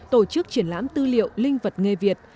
tổ chức triển lãm tư liệu linh vật nghề việt